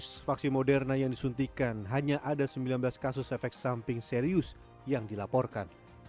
dari sembilan belas juta dosis vaksin moderna yang disuntikan hanya ada sembilan belas kasus efek samping serius yang dilaporkan